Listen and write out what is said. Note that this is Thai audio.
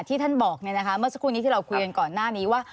ที่ท่านบอกเมื่อสักครู่นี้ที่เราคุยกันก่อนหน้านี้ว่า